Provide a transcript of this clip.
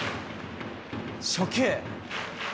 初球。